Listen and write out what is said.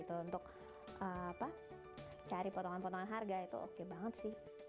untuk cari potongan potongan harga itu oke banget sih